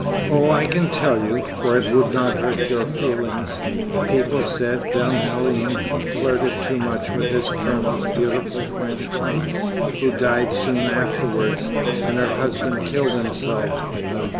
"Oh, I can tell you, for it would not hurt your feelings. People said Ben Halim flirted too much with his Colonel's beautiful French wife, who died soon afterwards, and her husband killed himself.